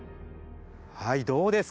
はいどうですか。